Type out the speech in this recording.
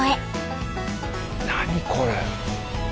何これ。